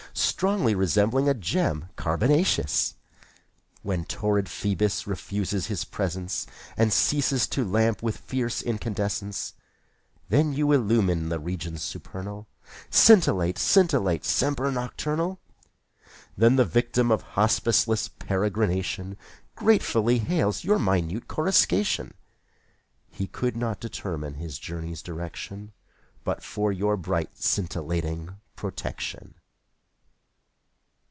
Strongly resembling a gem carbonaceous. When torrid Phoebus refuses his presence And ceases to lamp with fierce incandescence^ Then you illumine the regions supernal. Scintillate, scintillate, semper nocturnal. Saintc Margirie 4T7 Then the yictiin of hospiceless peregrination Gratefully hails your minute coruscation. He could not determine his journey's direction But for your bright scintillating protection.